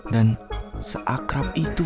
dan seakrab itu